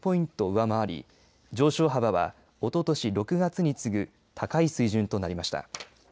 上回り上昇幅はおととし６月に次ぐ高い水準となりました。